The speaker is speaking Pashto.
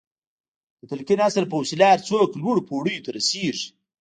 د تلقين اصل په وسيله هر څوک لوړو پوړيو ته رسېږي.